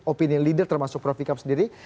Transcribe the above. opinion leader termasuk prof ikam sendiri